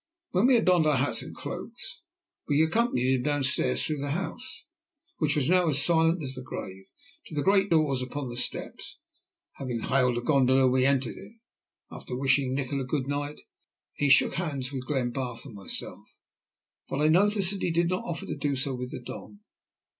When we had donned our hats and cloaks, we accompanied him down stairs through the house, which was now as silent as the grave, to the great doors upon the steps. Having hailed a gondola we entered it, after wishing Nikola "good night." He shook hands with Glenbarth and myself, but I noticed that he did not offer to do so with the Don.